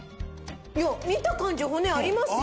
いや見た感じ骨ありますよ。